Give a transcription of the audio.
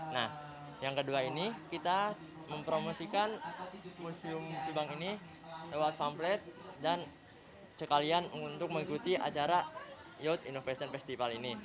nah yang kedua ini kita mempromosikan museum subang ini lewat famplet dan sekalian untuk mengikuti acara youth innovation festival ini